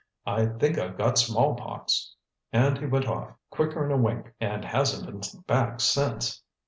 I think I've got smallpox.' And he went off, quicker'n a wink, and hasn't been back since."